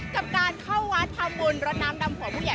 กับการเข้าวัดทำบุญรดน้ำดำหัวผู้ใหญ่